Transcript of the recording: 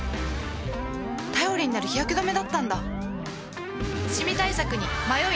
頼りになる日焼け止めだったんだ